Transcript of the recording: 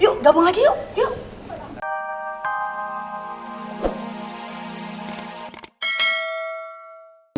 yuk gabung lagi yuk